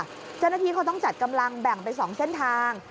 เจ้าหน้าที่เขาต้องจัดกำลังแบ่งไป๒เส้นทาง